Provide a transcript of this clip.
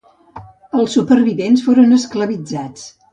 Els supervivents foren esclavitzats.